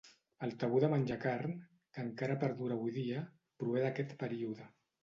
El tabú de menjar carn, que encara perdura avui dia, prové d'aquest període.